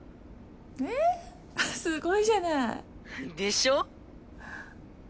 えすごいじゃない。でしょ？